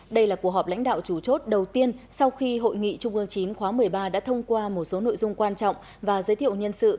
đây là cuộc họp lãnh đạo chủ chốt đầu tiên sau khi hội nghị trung ương chín khóa một mươi ba đã thông qua một số nội dung quan trọng và giới thiệu nhân sự